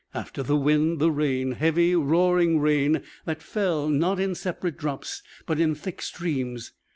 After the wind, the rain heavy, roaring rain that fell, not in separate drops, but in thick streams.